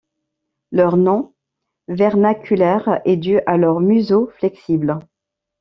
Leur nom vernaculaire est dû à leur museau flexible.